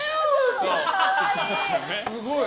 すごい。